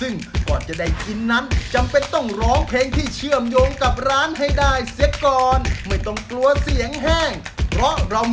ในน้ำซุปตุ๋นกระดูกหัวข้นหอม